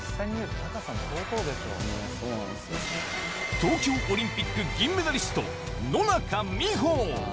東京オリンピック銀メダリスト、野中生萌。